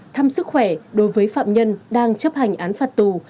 thăm sức khỏe đối với phạm nhân đang chấp hành án phạt tù